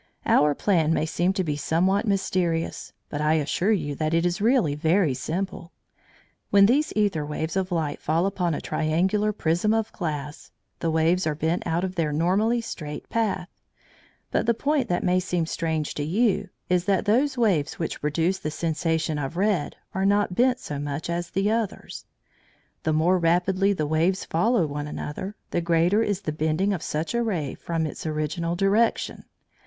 Our plan may seem to be somewhat mysterious, but I assure you that it is really very simple. When these æther waves of light fall upon a triangular prism of glass, the waves are bent out of their normally straight path. But the point that may seem strange to you, is that those waves which produce the sensation of red are not bent so much as the others. The more rapidly the waves follow one another, the greater is the bending of such a ray from its original direction.